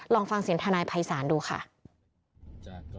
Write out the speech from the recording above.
ลองฟังเสียงทนายภัยศาลดูค่ะ